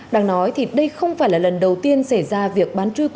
đang nói thì đây không phải là lần đầu tiên xảy ra việc bán trui cổ phiếu